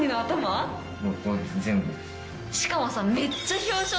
しかもさ。